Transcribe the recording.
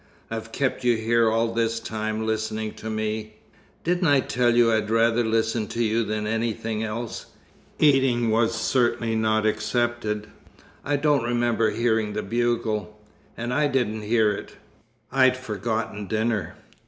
"I've kept you here all this time, listening to me." "Didn't I tell you I'd rather listen to you than anything else? Eating was certainly not excepted. I don't remember hearing the bugle." "And I didn't hear it." "I'd forgotten dinner.